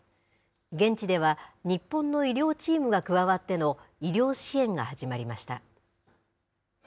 現地では、日本の医療チームが加わっての医療支援が始まりました。